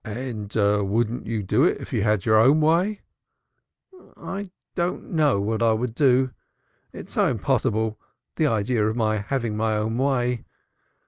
"And wouldn't you if you had your own way?" "I don't know what I would do. It's so impossible, the idea of my having my own way.